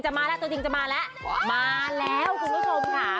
มาแล้วตัวจริงจะมาแล้วมาแล้วคุณผู้ชมค่ะ